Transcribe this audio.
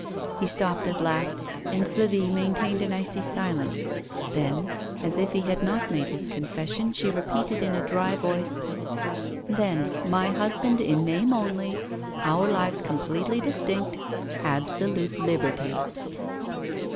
He stopped at last, and Flavie maintained an icy silence. Then, as if he had not made his confession, she repeated in a dry voice: ^'Then, my husband in name only, our lives com pletely distinct, absolute liberty."